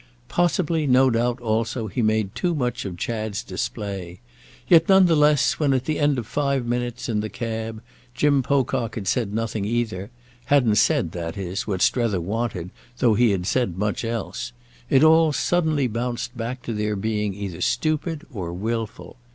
Possibly, no doubt, also, he made too much of Chad's display. Yet, none the less, when, at the end of five minutes, in the cab, Jim Pocock had said nothing either—hadn't said, that is, what Strether wanted, though he had said much else—it all suddenly bounced back to their being either stupid or wilful.